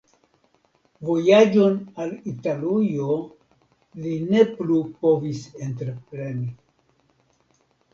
Vojaĝon al Italujo li ne plu povis entrepreni.